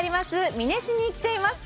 美祢市に来ています。